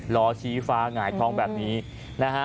ล้อชี้ฟ้าหงายท้องแบบนี้นะฮะ